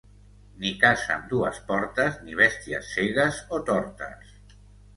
Ni casa amb dues portes ni bèsties cegues o tortes.